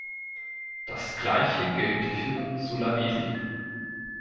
Das Gleiche gilt für Sulawesi.